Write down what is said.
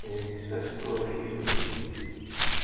Yekkes askurec-is deg-i.